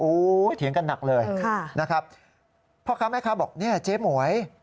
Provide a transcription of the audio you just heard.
โอ้โหเถียงกันหนักเลยนะครับพ่อค้าแม่ค้าบอกเนี่ยเจ๊หมวย